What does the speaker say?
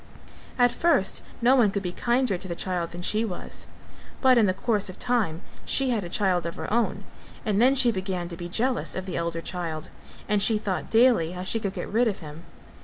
At first no one could be kinder to the child than she was, but in the course of time she had a child of her own and then she began to be jealous of the elder child; and she thought daily how she could get rid of him.